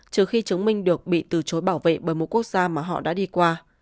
trừ khi chứng minh được bị từ chối bảo vệ bởi một quốc gia mà họ đã đi qua